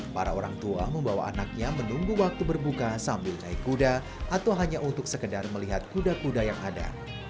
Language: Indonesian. para orang tua membawa anaknya menunggu waktu berbuka sambil naik kuda atau hanya untuk sekedar melihat kuda kuda yang ada